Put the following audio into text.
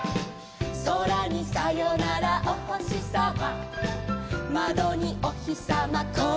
「そらにさよならおほしさま」「まどにおひさまこんにちは」